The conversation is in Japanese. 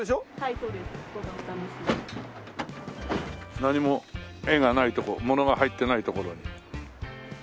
何も絵がないとこ物が入ってないところに。